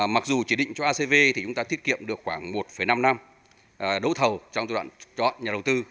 mặc dù chỉ định cho acv thì chúng ta thiết kiệm được khoảng một năm năm đấu thầu trong giai đoạn chọn nhà đầu tư